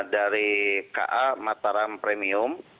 dari ka mataram premium